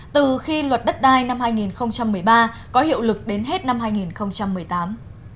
từ khi luật đất đai năm hai nghìn một mươi ba có hiệu lực đến hết năm hai nghìn một mươi tám